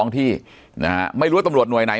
ปากกับภาคภูมิ